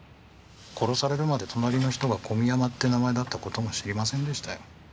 殺されるまで隣の人が「小見山」って名前だった事も知りませんでしたよ。